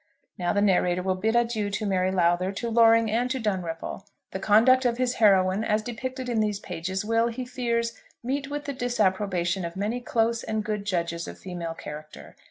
Now the narrator will bid adieu to Mary Lowther, to Loring, and to Dunripple. The conduct of his heroine, as depicted in these pages, will, he fears, meet with the disapprobation of many close and good judges of female character.